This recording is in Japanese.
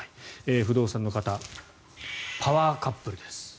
不動産の方パワーカップルです。